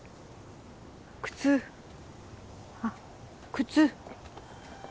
靴あっ靴。